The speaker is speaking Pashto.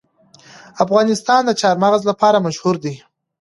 افغانستان د چار مغز لپاره مشهور دی.